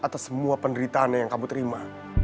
atas semua penderitaannya yang kamu terima